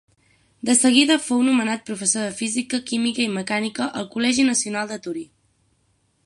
De seguida fou nomenat professor de física, química i mecànica al Col·legi Nacional de Torí.